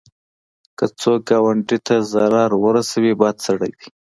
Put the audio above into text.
که څوک ګاونډي ته ضرر ورسوي، بد سړی دی